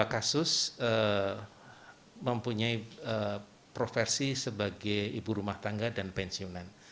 tiga kasus mempunyai profesi sebagai ibu rumah tangga dan pensiunan